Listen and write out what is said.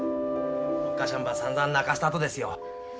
おっ母しゃんばさんざん泣かしたとですよ。